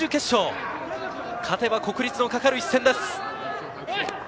勝てば国立のかかる一戦です。